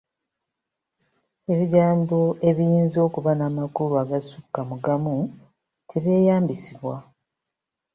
Ebigambo ebiyinza okuba n’amakulu agasukka mu gamu tebyeyambisibwa.